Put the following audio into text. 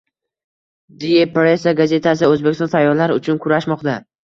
“Die Presse” gazetasi: Oʻzbekiston sayyohlar uchun kurashmoqda!